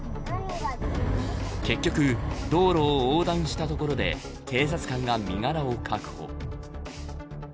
結局、道路を横断したところで警察官が身柄を確保。